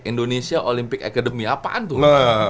indonesia olympic academy apaan tuh